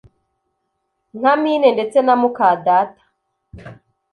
nka Mine ndetse na Mukadata.